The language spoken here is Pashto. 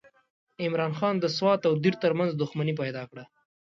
عمرا خان د سوات او دیر ترمنځ دښمني پیدا کړه.